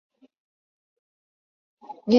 部活中存在的男女区别已引发了一些问题。